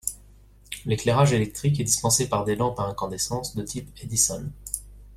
L’éclairage électrique est dispensé par des lampes à incandescence de type Edison.